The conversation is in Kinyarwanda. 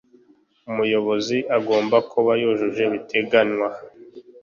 umuyobozi agomba kuba yujuje biteganywa